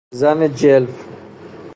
زن جلف